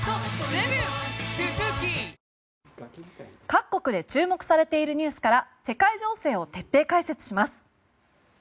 各国で注目されているニュースから世界情勢を徹底解説します。